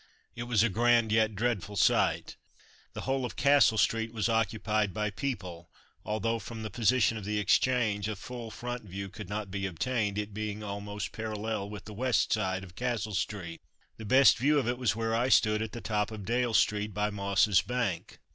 It was a grand, yet dreadful sight. The whole of Castle street was occupied by people, although, from the position of the Exchange, a full front view could not be obtained, it being almost parallel with the west side of Castle street. The best view of it was where I stood at the top of Dale street, by Moss's bank.